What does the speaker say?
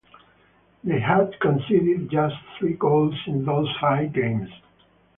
They had conceded just three goals in those five games.